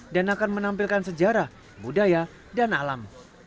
dan akan menampilkan sejarah budaya dan alam